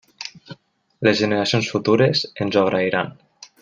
Les generacions futures ens ho agrairan.